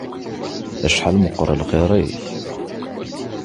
Acḥal meqqer lxir-ik.